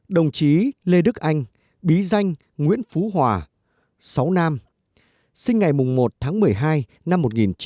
đồng chí lê đức anh bí danh nguyễn phú hòa sáu nam sinh ngày một tháng một mươi hai năm một nghìn chín trăm bảy mươi